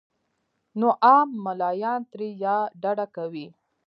نو عام ملايان ترې يا ډډه کوي